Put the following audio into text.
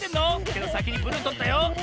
けどさきにブルーとったよ。